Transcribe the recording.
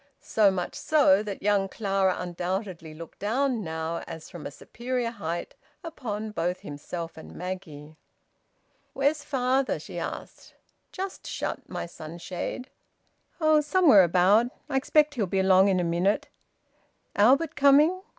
So much so that young Clara undoubtedly looked down, now, as from a superior height, upon both himself and Maggie! "Where's father?" she asked. "Just shut my sunshade." "Oh! Somewhere about. I expect he'll be along in a minute. Albert coming?"